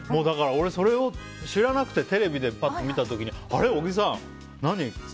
だから、俺はそれ知らなくてテレビでパッと見た時にあれ小木さん、何？